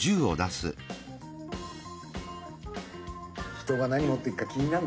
人が何持ってるか気になるね。